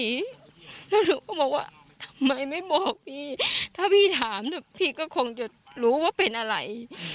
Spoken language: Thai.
แล้วหนูก็บอกว่าทำไมไม่บอกพี่ถ้าพี่ถามพี่ก็คงจะรู้ว่าเป็นอะไร